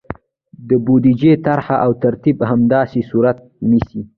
د بودیجې طرحه او ترتیب همداسې صورت نیسي.